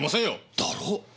だろ？